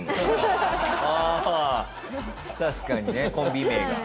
確かにねコンビ名が。